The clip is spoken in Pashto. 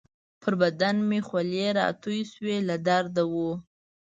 پر بدن مې خولې راتویې شوې، له درده وو.